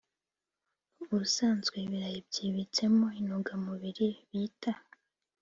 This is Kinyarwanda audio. Ubusanzwe ibirayi byibitsemo intungamubiri bita